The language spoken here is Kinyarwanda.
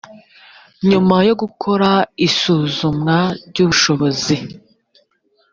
nyuma yo gukora isuzuma ry ubushobozi